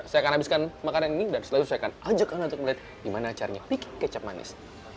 saya akan habiskan makanan ini dan selalu saya akan ajak anda untuk melihat gimana caranya peak kecap manis